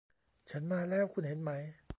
ฉันมาแล้ว คุณเห็นไหม